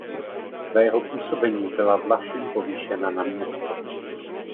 Za jeho působení byla Vlašim povýšena na město.